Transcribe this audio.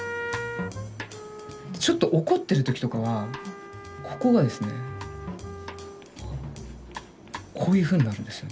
ちょっと怒ってる時とかはここがですねこういうふうになるんですよね。